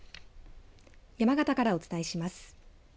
山形からお伝えします。